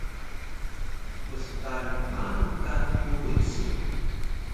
Pstarin maanu ka kuxul su?